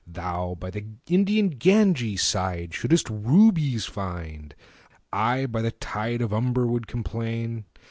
Thou by the Indian Ganges' side 5 Shouldst rubies find: I by the tide Of Humber would complain.